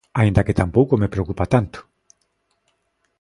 Aínda que tampouco me preocupa tanto.